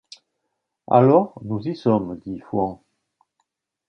Alors, nous y sommes, dit Fouan.